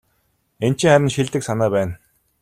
Энэ чинь харин шилдэг санаа байна.